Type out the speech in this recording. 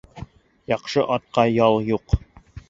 Яҡшы атҡа ял юҡ.